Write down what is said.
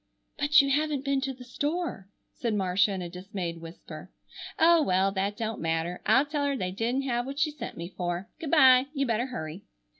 "But you haven't been to the store," said Marcia in a dismayed whisper. "Oh, well, that don't matter! I'll tell her they didn't have what she sent me for. Good bye. You better hurry."